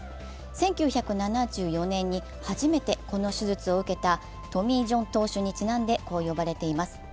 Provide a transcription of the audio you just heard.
１９７４年に初めてこの手術を受けたトミー・ジョン投手にちなんで、こう呼ばれています。